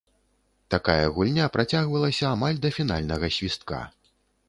Такая гульня працягвалася амаль да фінальнага свістка.